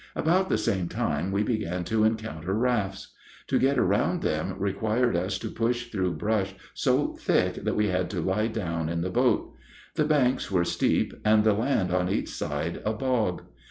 About the same time we began to encounter rafts. To get around them required us to push through brush so thick that we had to lie down in the boat. The banks were steep and the land on each side a bog.